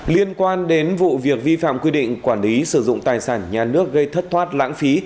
liên quan đến vụ việc vi phạm quy định quản lý sử dụng tài sản nhà nước gây thất thoát lãng phí